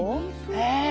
へえ！